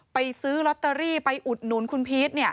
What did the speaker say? ซื้อลอตเตอรี่ไปอุดหนุนคุณพีช